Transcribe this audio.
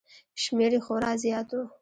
شمېر یې خورا زیات و